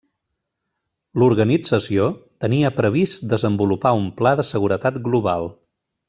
L'organització tenia previst desenvolupar un pla de seguretat global.